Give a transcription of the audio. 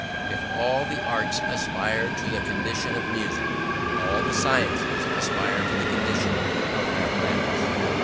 If all the arts aspire to the condition of music, all the sciences aspire to the condition of mathematics.